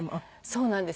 そうなんです。